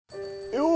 よう。